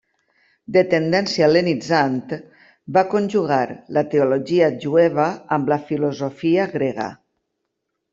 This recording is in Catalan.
De tendència hel·lenitzant, va conjugar la teologia jueva amb la filosofia grega.